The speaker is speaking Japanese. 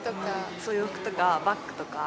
そう、洋服とかバッグとか。